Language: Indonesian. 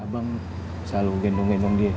abang selalu gendong gendong dia